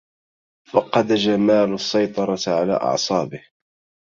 فقد جمال السيطرة على أعصابه.